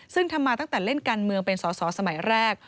ซึ่งทำมาตั้งแต่เล่นการเมืองเป็นสอสอสมัยแรก